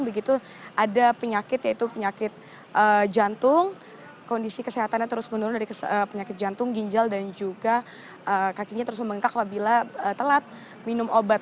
begitu ada penyakit yaitu penyakit jantung kondisi kesehatannya terus menurun dari penyakit jantung ginjal dan juga kakinya terus membengkak apabila telat minum obat